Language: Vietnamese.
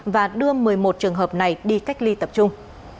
và đưa một mươi một trường hợp này đi cách ly tập trung